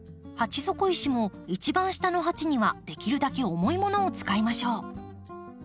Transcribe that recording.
鉢底石も一番下の鉢にはできるだけ重いものを使いましょう。